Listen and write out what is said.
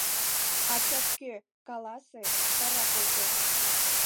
— Ачат кӧ, каласе, вара колтем!